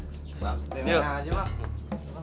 yuk main aja bang